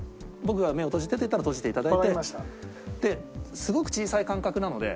すごく小さい感覚なので。